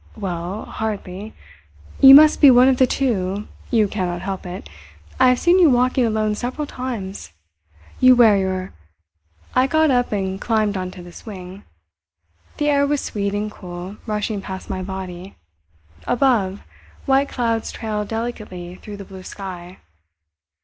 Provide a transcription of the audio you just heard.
"Well, hardly—" "You must be one of the two; you cannot help it. I have seen you walking alone several times. You wear your—" I got up and climbed on to the swing. The air was sweet and cool, rushing past my body. Above, white clouds trailed delicately through the blue sky.